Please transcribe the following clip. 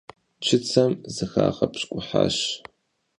Чыцэм зыхагъэпщкӀуащ.